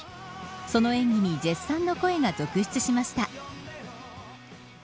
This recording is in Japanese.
その演技に絶賛の声が続出しました。